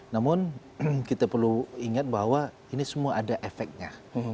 namun kita perlu ingat bahwa ini semua ada efeknya